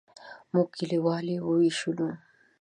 موږ کلیوال یې وویشلو.